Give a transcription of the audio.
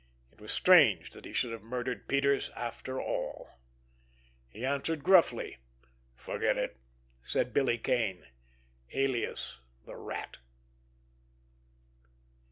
It was strange that he should have murdered Peters, after all! He answered gruffly. "Forget it!" said Billy Kane, alias the Rat.